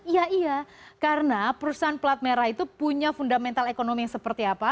iya iya karena perusahaan pelat merah itu punya fundamental ekonomi yang seperti apa